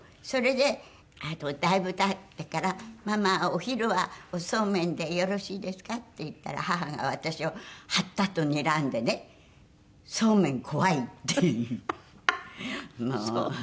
それであとだいぶ経ってから「ママお昼はおそうめんでよろしいですか？」って言ったら母が私をはったとにらんでね「そうめん怖い」って言うの。